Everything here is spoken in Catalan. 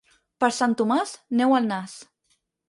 Per Sant Tomàs, neu al nas.